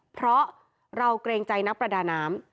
เพราะเราเกรงใจนักประดาน้ำ